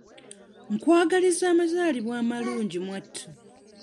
Nkwagaliza amazaalibwa amalungi mwattu.